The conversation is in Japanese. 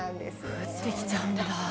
落ちてきちゃうんだ。